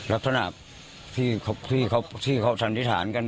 ลักษณะที่เขาสันนิษฐานกัน